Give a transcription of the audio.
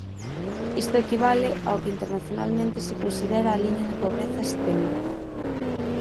Isto equivale ao que internacionalmente se considera a liña de pobreza extrema.